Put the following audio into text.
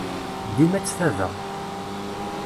Dima ttfadeɣ.